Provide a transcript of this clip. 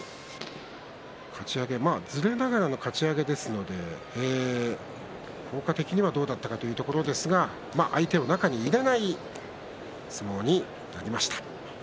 かち上げ、ずれながらのかち上げですので効果的にはどうだったのかというところですが相手を中に入れない相撲になりました。